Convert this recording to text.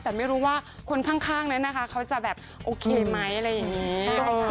แต่ไม่รู้ว่าคนข้างนั้นนะคะเขาจะแบบโอเคไหมอะไรอย่างนี้